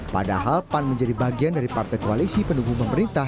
padahal pan menjadi bagian dari partai koalisi pendukung pemerintah